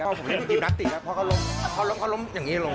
พ่อผมเล่นกินกินัตติกเพราะเขาล้มอย่างนี้ลง